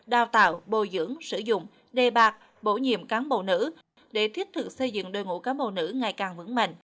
đào tạo bồi dưỡng sử dụng đề bạc bổ nhiệm cán bộ nữ để thiết thực xây dựng đội ngũ cán bộ nữ ngày càng vững mạnh